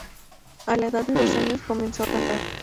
A la edad de dos años, comenzó a cantar.